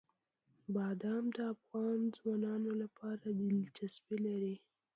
بادام د افغان ځوانانو لپاره دلچسپي لري.